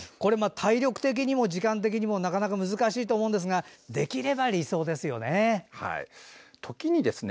体力的にも時間的にもなかなか難しいと思うんですができれば理想ですよね。